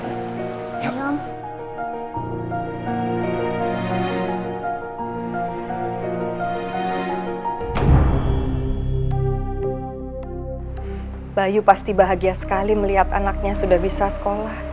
bayu pasti bahagia sekali melihat anaknya sudah bisa sekolah